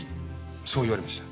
そう言われました。